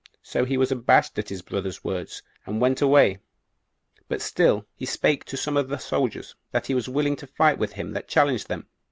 So he was abashed at his brother's words, and went away, but still he spake to some of the soldiers that he was willing to fight with him that challenged them.